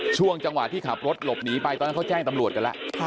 ช่วงจังหวะที่ขับรถหลบหนีไปตอนนั้นเขาแจ้งตำรวจกันแล้ว